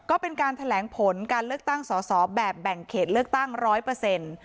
ก็เป็นการแถลงผลการเลือกตั้งสอสอแบบแบ่งเขตเลือกตั้งร้อยเปอร์เซ็นต์